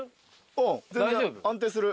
うん全然安定する。